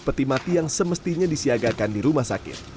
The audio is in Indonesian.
peti mati yang semestinya disiagakan di rumah sakit